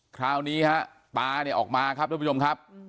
คราวนี้ฮะตาเนี่ยออกมาครับทุกผู้ชมครับ